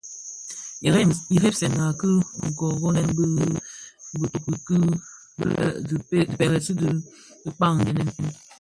Jremzèna ki kōghènè bi bitoki bi lè dhi pèrèsi dhi dhikpag gèènë.